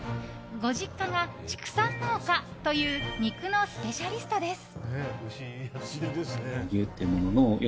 ご実家が畜産農家という肉のスペシャリストです。